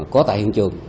có tại hiện trường